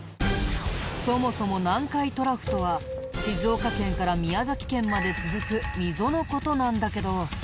そもそも南海トラフとは静岡県から宮崎県まで続く溝の事なんだけど。